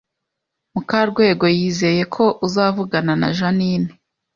Mukarwego yizeye ko uzavugana na Jeaninne